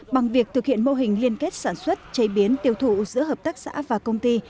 bằng việc thực hiện mô hình liên kết sản xuất chế biến tiêu thụ giữa hợp tác xã và công ty